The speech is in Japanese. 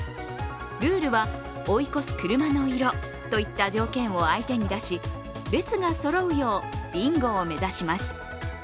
ルールは追い越す車の色といった条件を相手に出し、列がそろうようビンゴを目指します。